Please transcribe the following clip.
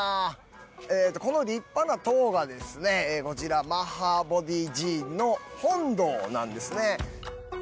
えっとこの立派な塔がこちらマハーボディー寺院の本堂なんですね。